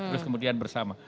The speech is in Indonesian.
terus kemudian bersama